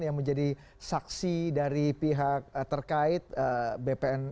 yang menjadi saksi dari pihak terkait bpn